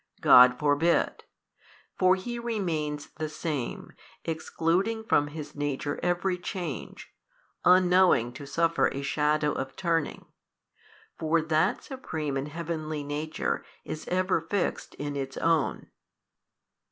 God forbid: for He remains the Same, excluding from His Nature every change, unknowing to suffer a shadow of turning: for That Supreme and Heavenly Nature is ever fixed in Its own.